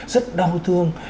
rất đau thương